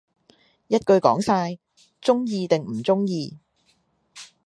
一句講晒，鍾意定唔鍾意